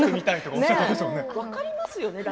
分かりますよね？